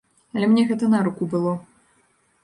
Але мне гэта на руку было.